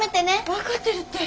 分かってるって。